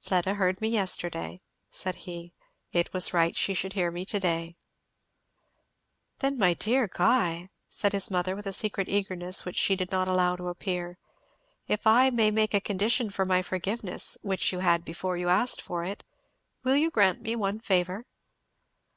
"Fleda heard me yesterday," said he; "it was right she should hear me to day." "Then my dear Guy," said his mother with a secret eagerness which she did not allow to appear, "if I may make a condition for my forgiveness, which you had before you asked for it, will you grant me one favour?"